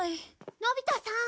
のび太さん。